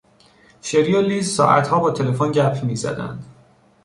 شری و لیز ساعتها با تلفن گپ میزدند.